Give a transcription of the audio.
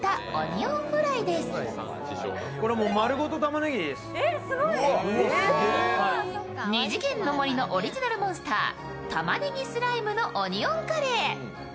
ニジゲンノモリのオリジナルモンスター、たまねぎスライムのオニオンカレー。